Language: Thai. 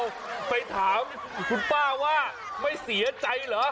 คุณนักข่าวไปถามคุณป้าว่าไม่เสียใจเหรอ